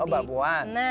oh mbak puan